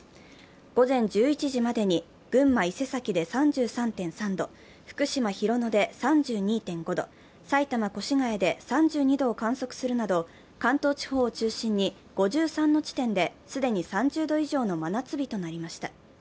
午前１１時までに群馬・伊勢崎で３３．３度、福島・広野で３２．５度、埼玉・越谷で３２度を観測するなど、関東地方を中心に５３の地点で既に３０度以上の真夏日となりました。